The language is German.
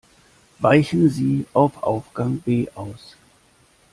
Weichen Sie auf Aufgang B aus.